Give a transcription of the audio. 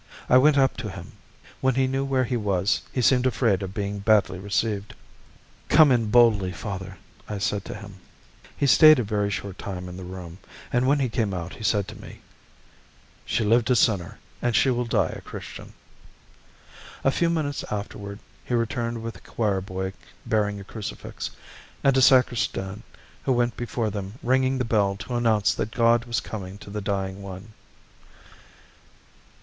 I went up to him; when he knew where he was, he seemed afraid of being badly received. "Come in boldly, father," I said to him. He stayed a very short time in the room, and when he came out he said to me: "She lived a sinner, and she will die a Christian." A few minutes afterward he returned with a choir boy bearing a crucifix, and a sacristan who went before them ringing the bell to announce that God was coming to the dying one.